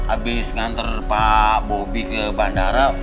abis ngantar pak bobi ke bandara